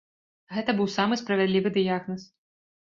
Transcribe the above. Гэта быў самы справядлівы дыягназ.